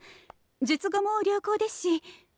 術後も良好ですし。